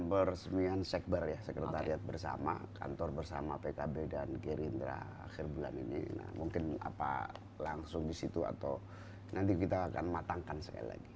peresmian sekber ya sekretariat bersama kantor bersama pkb dan gerindra akhir bulan ini mungkin apa langsung di situ atau nanti kita akan matangkan sekali lagi